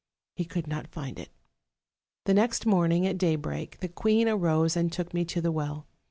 he could not find it. The next morning at daybreak, the queen arose and took me to the well.